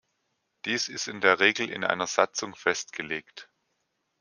Dies ist in der Regel in einer Satzung festgelegt.